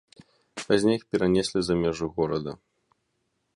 Пазней іх перанеслі за межы горада.